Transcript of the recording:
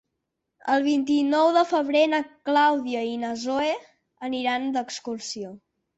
El vint-i-nou de febrer na Clàudia i na Zoè aniran d'excursió.